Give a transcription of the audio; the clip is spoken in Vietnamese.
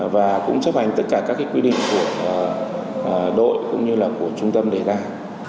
và cũng chấp hành tất cả các quy định của đội cũng như là của trung tâm đề tài